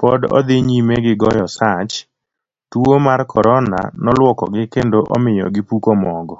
Pod odhi nyime gi goye sach, tuo mar korona noluokogi kendo omiyo gipuko mogo.